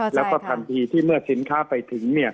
แล้วก็ทันทีที่เมื่อสินค้าไปถึง